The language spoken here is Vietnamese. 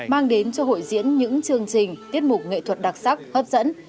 mang đến cho hội diễn những chương trình tiết mục nghệ thuật đặc sắc hấp dẫn